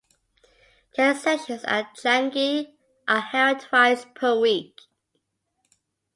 Caning sessions at Changi are held twice per week.